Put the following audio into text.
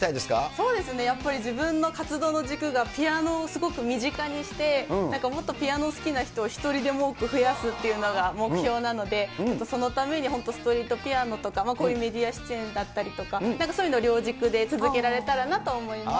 そうですね、やっぱり自分の活動の軸が、ピアノをすごく身近にして、なんかもっとピアノ好きな人を１人でも多く増やすというのが目標なので、そのために本当ストリートピアノとか、こういうメディア出演だったりとか、そういうのを両軸で続けられたらなと思います。